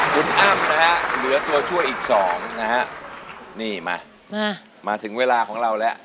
คุณอ้ำนะฮะเหลือตัวช่วยอีกสองนะฮะนี่มามาถึงเวลาของเราแล้ว